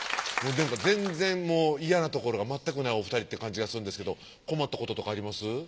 全然嫌なところが全くないお２人って感じがするんですけど困ったこととかあります？